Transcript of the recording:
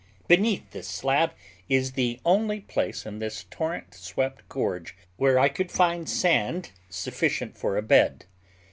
Beneath this slab is the only place in this torrent swept gorge where I could find sand sufficient for a bed.